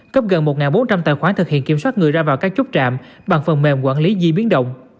cấp gần một bốn trăm linh tài khoản thực hiện kiểm soát người ra vào các chốt trạm bằng phần mềm quản lý di biến động